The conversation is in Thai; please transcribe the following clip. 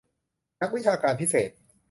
นักวิชาการพิเศษ